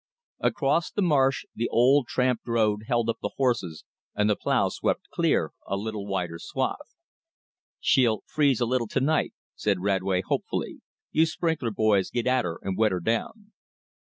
Across the marsh the old tramped road held up the horses, and the plow swept clear a little wider swath. "She'll freeze a little to night," said Radway hopefully. "You sprinkler boys get at her and wet her down."